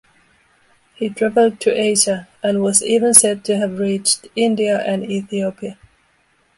He traveled to Asia, and was even said to have reached India and Ethiopia.